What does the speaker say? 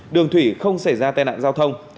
đường thủy không xảy ra tai nạn giao thông